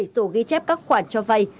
bảy sổ ghi chép các khoản cho vai